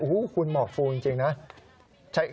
อู๋คุณเหมาะฟูจรังจริงนะ